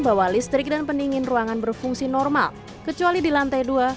bahwa listrik dan pendingin ruangan berfungsi normal kecuali di lantai dua